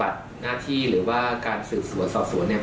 และยืนยันเหมือนกันว่าจะดำเนินคดีอย่างถึงที่สุดนะครับ